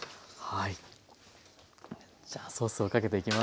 はい。